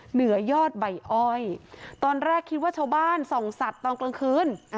เหนือยอดใบอ้อยตอนแรกคิดว่าชาวบ้านส่องสัตว์ตอนกลางคืน